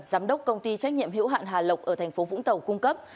giám đốc công ty trách nhiệm hữu hạn hà lộc ở tp vũng tàu cung cấp